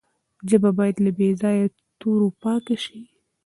ژبه باید له بې ځایه تورو پاکه سي.